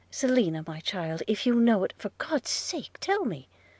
Selina, my child – if you know it, for God's sake tell me!